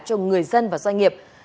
cho người dân và doanh nghiệp